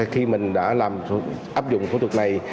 khi mình đã áp dụng phẫu thuật này